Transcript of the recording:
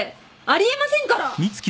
あり得ませんから！